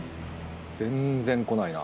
全然来ないな。